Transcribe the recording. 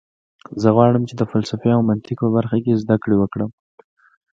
زه غواړم چې د فلسفې او منطق په برخه کې زده کړه وکړم